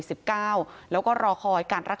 ศพที่สอง